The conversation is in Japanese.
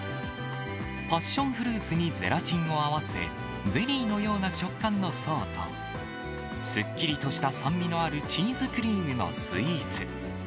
パッションフルーツにゼラチンを合わせ、ゼリーのような食感の層と、すっきりとした酸味のあるチーズクリームのスイーツ。